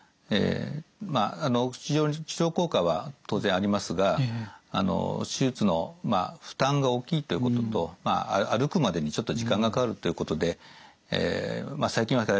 まあ非常に治療効果は当然ありますが手術の負担が大きいということと歩くまでにちょっと時間がかかるということで最近はだいぶ減っております。